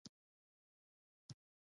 • دښمني د بې عقلی سبب کېږي.